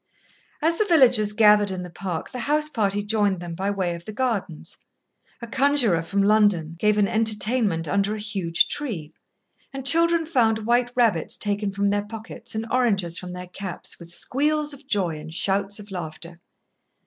As the villagers gathered in the park, the house party joined them by way of the gardens. A conjurer from London gave an entertainment under a huge tree, and children found white rabbits taken from their pockets and oranges from their caps, with squeals of joy and shouts of laughter.